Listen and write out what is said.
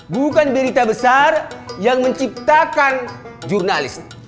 bukan berita besar yang menciptakan jurnalis